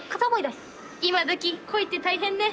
今どき恋って大変ね。